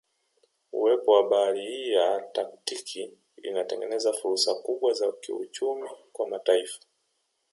Uwepo wa bahari hii ya Atlantiki inatengeneza fursa kubwa za kiuchumi kwa mataifa